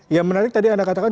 yang menarik tadi anda katakan